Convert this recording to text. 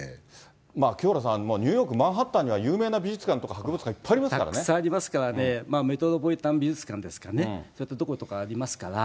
清原さん、ニューヨーク・マンハッタンには有名な美術館とか博物館とかいったくさんありますからね、メトロポリタン美術館ですかね、そういうところとかありますからね。